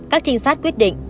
các trinh sát quyết định